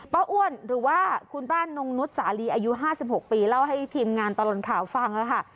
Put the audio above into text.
อ้วนหรือว่าคุณป้านงนุษย์สาลีอายุ๕๖ปีเล่าให้ทีมงานตลอดข่าวฟังแล้วค่ะ